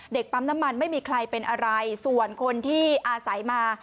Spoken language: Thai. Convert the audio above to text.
ปั๊มน้ำมันไม่มีใครเป็นอะไรส่วนคนที่อาศัยมา